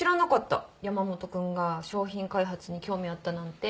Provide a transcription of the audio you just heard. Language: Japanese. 山本君が商品開発に興味あったなんて。